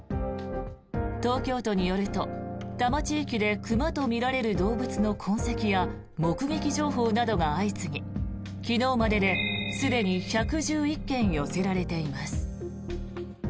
東京都によると多摩地域で熊とみられる動物の痕跡や目撃情報などが相次ぎ昨日までですでに１１１件寄せられています。